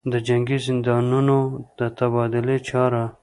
دجنګي زندانیانودتبادلې چاره